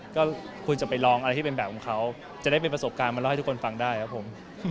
ก็คุณจะไปลองอะไรที่เป็นแบบของเขาจะได้เป็นประสบการณ์มาเล่าให้ทุกคนฟังได้ครับผม